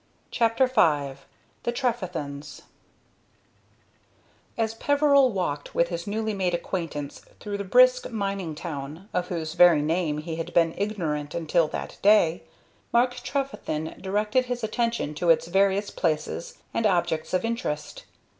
CHAPTER V THE TREFETHENS As Peveril walked with his newly made acquaintance through the brisk mining town, of whose very name he had been ignorant until that day, Mark Trefethen directed his attention to its various places and objects of interest.